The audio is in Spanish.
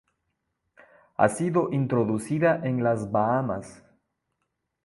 Ha sido introducida en las Bahamas.